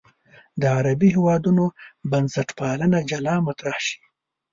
د عربي هېوادونو بنسټپالنه جلا مطرح شي.